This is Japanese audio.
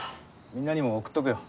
みんなにも送っておくよ。